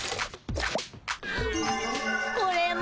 これも。